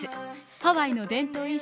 ハワイの伝統衣装